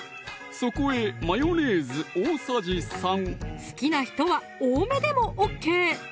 そこへマヨネーズ大さじ３好きな人は多めでもＯＫ